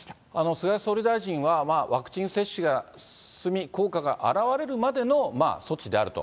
菅総理大臣は、ワクチン接種が進み、効果が表れるまでの措置であると。